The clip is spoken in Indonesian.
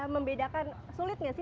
membedakan sulit nggak ya